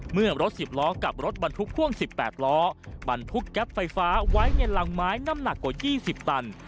เมื่อรถ๑๐ล้อกับรถบรรทุกพ่วง๑๘ล้อบรรทุกแก๊ปไฟฟ้าไว้ในรังไม้น้ำหนักกว่า๒๐ตัน